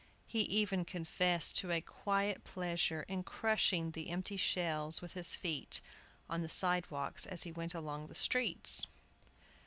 He even confessed to a quiet pleasure in crushing the empty shells with his feet on the sidewalks as he went along the streets.